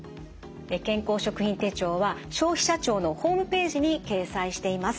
健康食品手帳は消費者庁のホームページに掲載しています。